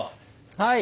はい。